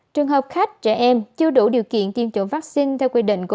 trường hợp khách trẻ em chưa đủ điều kiện tiêm chủng vaccine theo quy định của